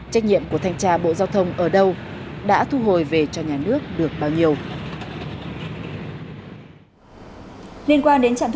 trách nhiệm của thanh tra bộ giao thông ở đâu đã thu hồi về cho nhà nước được bao nhiêu